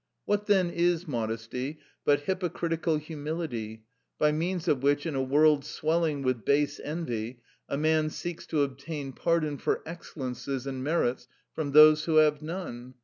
What then is modesty but hypocritical humility, by means of which, in a world swelling with base envy, a man seeks to obtain pardon for excellences and merits from those who have none?